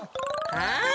はい。